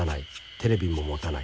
テレビも持たない。